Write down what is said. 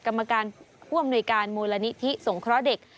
กรรมการภวมหน่วยการมูลนิธิสงครอเด็ก